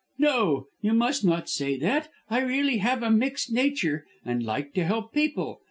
"No; you must not say that. I really have a mixed nature, and like to help people.